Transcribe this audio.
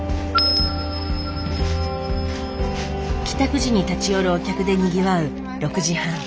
帰宅時に立ち寄るお客でにぎわう６時半。